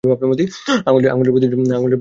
আঙ্গুলের বর্ধিত অংশ দিয়ে আঘাত।